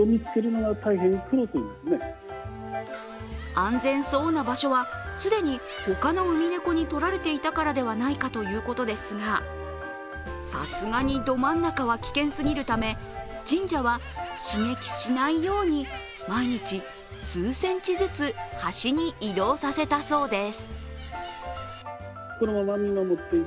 安全そうな場所は既に他のウミネコにとられていたからではないかということですが、さすがにど真ん中は危険すぎるため、神社は刺激しないように毎日数センチずつ端に移動させたそうです。